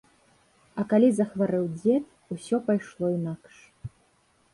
А калі захварэў дзед, усё пайшло інакш.